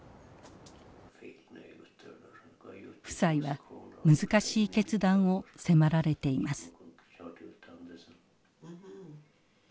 夫妻は難しい決断を迫られています。